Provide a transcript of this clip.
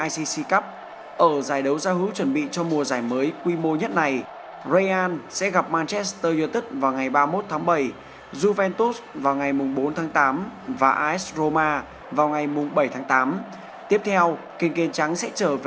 xin chào và hẹn gặp lại